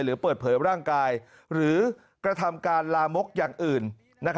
หรือเปิดเผยร่างกายหรือกระทำการลามกอย่างอื่น